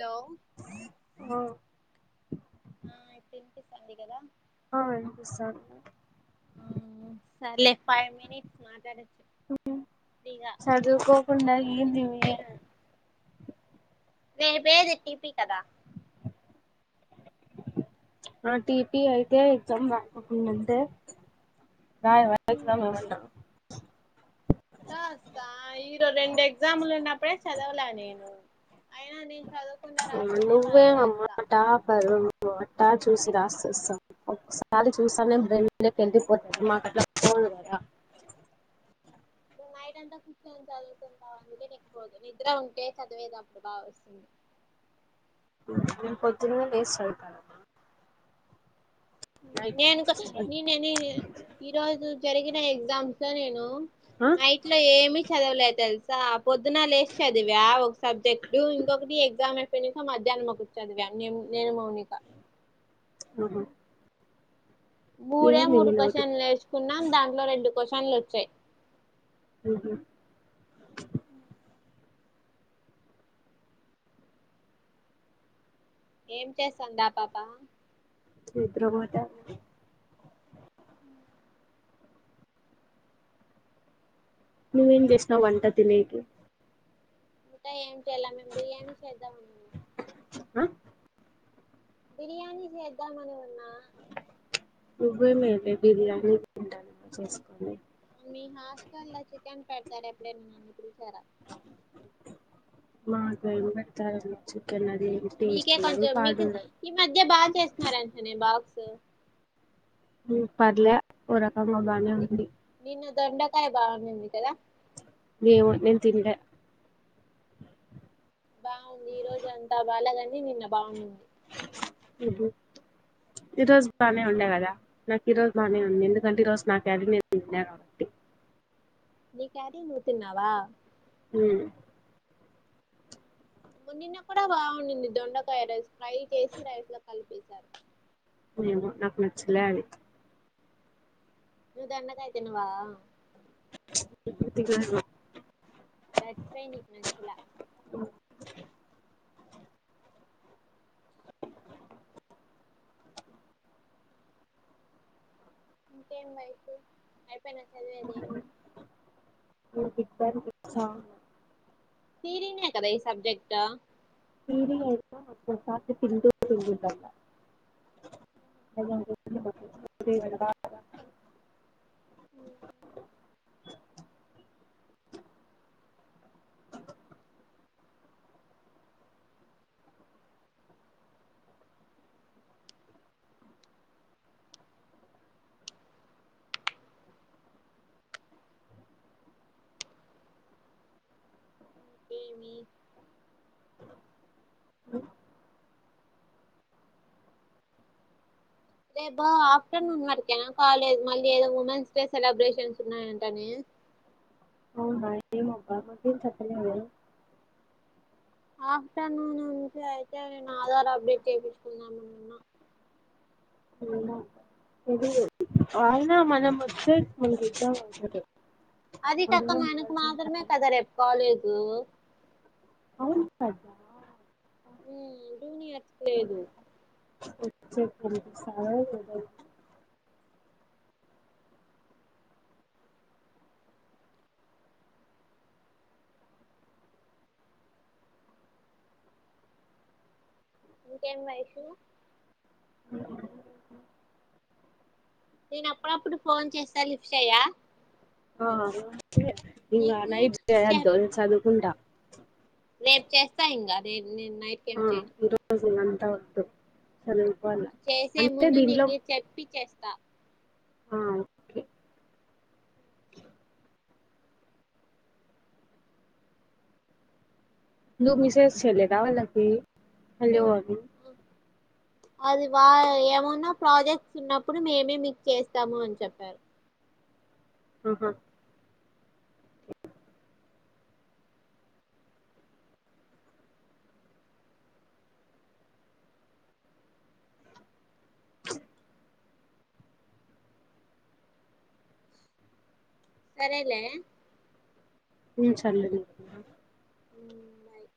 Hello ఆయి తంత సందిడి కదా ఆ హిస్తాన్ సరలే ఫైవ్ మట్స్ మాట్లాడుచ్చ చదువుకోకుడాగిందిమి వేరు పేరు తి టిపి కదా ఆ టీపి అయితే ఎగ్జామ్ బతుందంటే నా వయసరమా ఏమన్నా రాస్తా ఈరో రెండు ఎగ్జాములు ఉన్నప్పుడే చదవలే నేను అయినా నేను చదవకుండా రాస్తేనే నువ్వే బాగా అమ్మా రాస్తా టాపరు టా చూసి రాసి అస్తా ఒసారి చూస్తా నే బ్రెన్ లోకి వెళ్ళిపోతాది మాకు అట్లా పోదు కదా బ బయటంతా కూర్చని చదువుతుంటావు అందుకే నీకు పోదు నిద్ర ఉంటే చదివేది అప్పుడు బాగా వస్తుంది [inaudible] నేను పొద్దున్నే లేచి చదువుతానమ్మ నేను క నేనే నేను ఈరోజు జరిగిన ఎగ్జామ్స్ లో నేను ఆ నైట్ లో ఏమి చదవలేదు తెలుసా పొద్దున లేచి చదివా ఒక సబ్జెక్ట్టు ఇంకొకటి ఎగ్జామ్ అయిపోయినాక మద్ జన్మకుర్చోదు వ్యామ్యం నేను మౌనిక ఆహా మూడే ఏంది నీ మూడు నోటి క్వశ్చన్లు నేర్చుకున్నాం దాంట్లో రెండు క్వశ్చన్లు వచ్చాయి. అహ ఏం చేస్తాందా ఆ పాప నిద్రపోతాంది నువ్వేం చేసినవ్ వంట తినెకి వంట ఏం చేయాలే మేము బిర్యానీ చేద్దాం అని ఉన్నాం ఆ బిర్యానీ చేద్దామని ఉన్నా నువ్వే మేదే బిర్యానీ ఉండాల చేసుకోని మీ హాస్టల్ లో చికెన్ పెడతారు ఎప్పుడైనా నన్ను పిలిసారా మాక ఏం పెడతారో నువ్ చెప్ కని అదేమీ మీకే టేస్ట్ ఉండదు కొంచెం పాడు మీకు ఉండదు ఈ మధ్య బాగా చేస్తున్నారంటనే బాక్స్ ఉ పర్లే ఓ రకంగా బానే ఉంది నిన్న దొండకాయ బాగోండింది కదా నేను తినలే బాగుంది ఈ రోజు అంతా బాలేగాని నిన్న బాగునింది ఊహు ఈ రోజు బానే ఉండే కదా నాకు ఈ రోజు బానే ఉంది ఎందుకంటే ఈ రోజు నా క్యారీ నేను తిన్నా కాబట్టి నీ క్యారీ నువ్వు తిన్నావా ఊ మొ నిన్న కూడా బాగుండింది దొండకాయ రైస్ ఫ్రై చేసి రైస్ లో కలిపేసారు ఏమో నాకు నచ్చలే అది నువ్వు దొండకాయ తినవా ప్చ్ తినను దట్స్ వై నీకు నచ్చల ఇకేం బయిసు అయిపోయినా చదివేది నాకు బిగ్బెని పిస్తంది తీరినే కదా ఈ సబ్జెక్టు తీరి కాదు కదా మొత్తం సబ్జెక్టు [unintelligible] యా ఐతేమి ఉ రేపు ఆఫ్టర్నూన్ వరకేనా కాలేజ్ మళ్ళీ ఏదో ఉమెన్స్ డే సెలబ్రేషన్స్ ఉన్నాయంటనే అవునా ఏమబ్బ మాకు ఏం చెప్పలేదే ఆఫటర్నూన్ ఉంటే అయితే నేను ఆధార్ అప్డేట్ చేపిచ్చుకుందామనుకున్నా. వాయినా మన మచ్చ ఉ [unintelligible] అది కాకా మనకు మాత్రమే పని కదా రేపు కాలేజు అవును అదా [unintelligible] లేదు [unintelligible] ఈకేం వైషూ అ నేను అప్పుడప్పుడు ఫోన్ చేస్త లెఫ్చేయా ఆ ఇగా నీకు నైట్ చెప్ చేయదు చదువుకుంటా రేపు చేస్తా ఇంకా నే నేను నైట్ కి ఏం ఆ చేయాను [unintelligible] చేసే అంటే ముందు దీంట్లో నీకి చెప్పి చేస్తా ఆ ఓకే నువ్వు మి స్ జ్ చేలేదా వాళ్లకి హలో అని అది వా ఏమన్నా ప్రాజెక్ట్స్ ఉన్నప్పుడు మేమే మీకు చేస్తాము అని చెప్పారు. ఆహా సరేలే [unintelligible] ఉ బాయ్